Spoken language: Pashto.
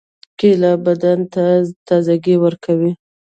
کېله بدن ته تازګي ورکوي.